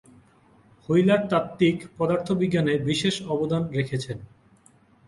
Wheeler তাত্ত্বিক পদার্থবিজ্ঞানে বিশেষ অবদান রেখেছেন।